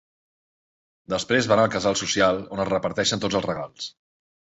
Després van al Casal Social on es reparteixen tots els regals.